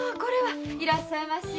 いらっしゃいまし。